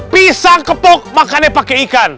pisang kepuk makannya pakai ikan